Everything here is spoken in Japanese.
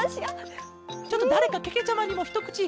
ちょっとだれかけけちゃまにもひとくち。